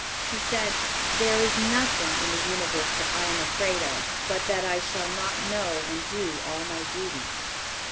She said, "There is nothing in the universe that I am afraid of, but that I shall not know and do all my duty."